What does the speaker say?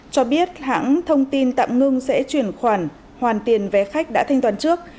cho biết hãng thông tin tạm ngưng sẽ chuyển khoản hoàn tiền vé khách đã thanh toán trước